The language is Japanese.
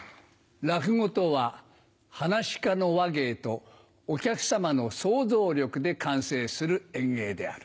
落語とは噺家の話芸とお客様の想像力で完成する演芸である。